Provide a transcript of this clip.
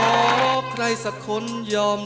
ผมร้องได้ให้ร้อง